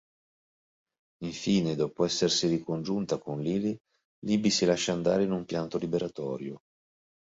Infine, dopo essersi ricongiunta con Lyle, Libby si lascia andare in un pianto liberatorio.